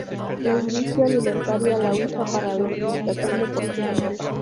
La industria alimentaria la usa para la alimentación de porcinos.